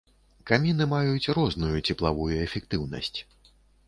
Каміны маюць розную цеплавую эфектыўнасць.